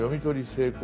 成功